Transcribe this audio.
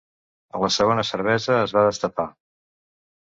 A la segona cervesa es va destapar.